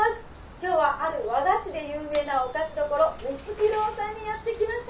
今日はある和菓子で有名なお菓子どころ緑月堂さんにやって来ました。